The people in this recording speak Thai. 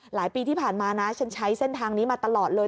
ปีที่ผ่านมานะฉันใช้เส้นทางนี้มาตลอดเลย